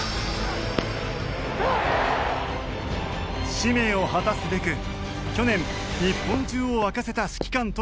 使命を果たすべく去年日本中を沸かせた指揮官との対談が実現。